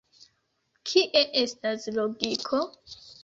Kie estas logiko?